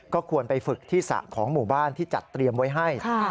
ก็ควรไปฝึกที่สระของหมู่บ้านที่จัดเตรียมไว้ให้